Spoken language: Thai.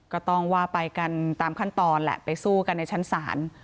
ก็ต้องว่าไปกันตามขั้นตอนแหละไปสู้กันในชั้นศาล